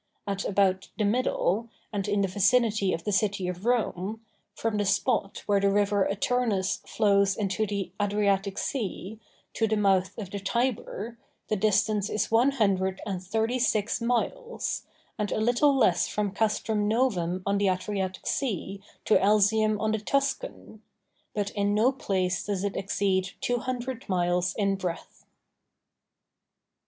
At about the middle, and in the vicinity of the city of Rome, from the spot where the river Aternus flows into the Adriatic sea, to the mouth of the Tiber, the distance is one hundred and thirty six miles, and a little less from Castrum novum on the Adriatic sea to Alsium on the Tuscan; but in no place does it exceed two hundred miles in breadth.